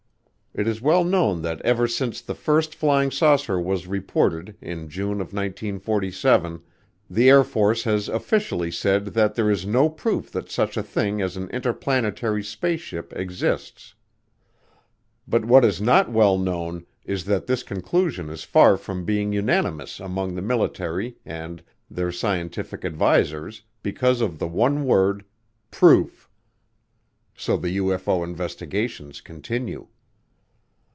It is well known that ever since the first flying saucer was reported in June 1947 the Air Force has officially said that there is no proof that such a thing as an interplanetary spaceship exists. But what is not well known is that this conclusion is far from being unanimous among the military and their scientific advisers because of the one word, proof; so the UFO investigations continue.